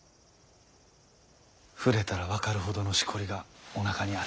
触れたら分かるほどのしこりがおなかにある。